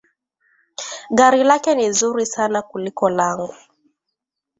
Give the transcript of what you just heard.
Gari lake ni zuri sana kuliko langu